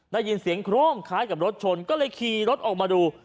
ได้ยินเสียงโครมคล้ายกับรถชนก็เลยขี่รถออกมาดู